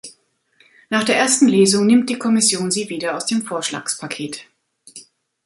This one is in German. Nach der ersten Lesung nimmt die Kommission sie wieder aus dem Vorschlagspaket.